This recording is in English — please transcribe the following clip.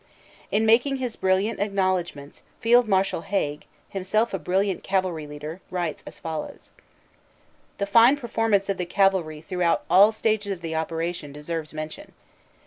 In making his acknowledgements Field Marshal Haig, himself a brilliant cavalry leader, writes as follows: The fine performance of the cavalry throughout all stages of the operation deserves mention.